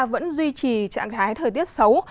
vẫn duy trì trạng thái thời tiết xấu